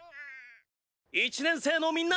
１年生のみんな！